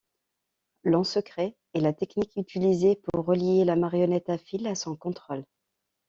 L'ensecret est la technique utilisée pour relier la marionnette à fils à son contrôle.